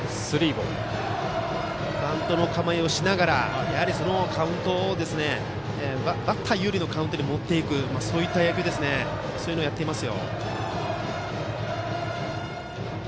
バントの構えをしながらそのカウントをバッター有利のカウントに持っていくというそういった野球をやっていますよ。